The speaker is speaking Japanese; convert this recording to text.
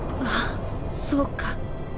ああそうか